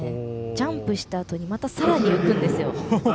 ジャンプしたあとにまたさらに浮くんですよ。